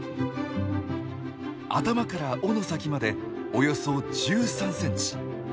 頭から尾の先までおよそ１３センチ。